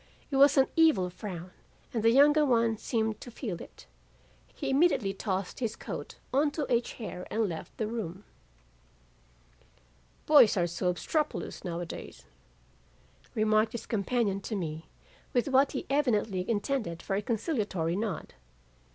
It was an evil frown, and the younger one seemed to feel it. He immediately tossed his coat onto a chair and left the room. "'Boys are so obstropolous now a days,' remarked his companion to me with what he evidently intended for a conciliatory nod.